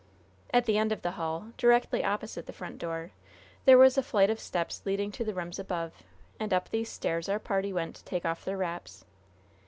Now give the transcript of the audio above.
At the end of the hall, directly opposite the front door, there was a flight of steps leading to the rooms above, and up these stairs our party went to take off their wraps.